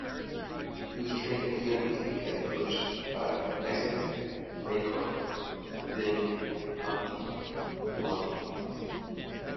He was trained in calligraphy at first by Isa Rangkar and then Malek Deylami.